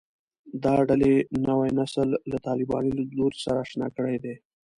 دا ډلې نوی نسل له طالباني لیدلوري سره اشنا کړی دی